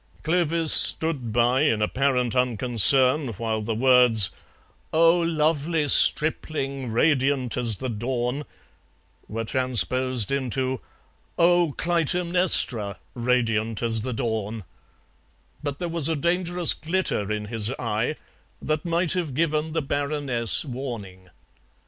Clovis stood by in apparent unconcern while the words: "Oh, lovely stripling, radiant as the dawn," were transposed into: "Oh, Clytemnestra, radiant as the dawn," but there was a dangerous glitter in his eye that might have given the Baroness warning.